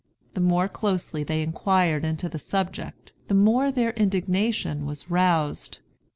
The more closely they inquired into the subject, the more their indignation was roused.